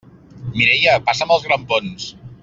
Mireia, passa'm els grampons!